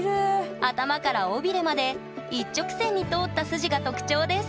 頭から尾びれまで一直線に通った筋が特徴です